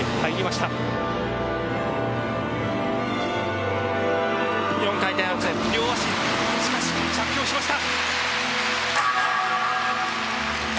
しかし、着氷しました。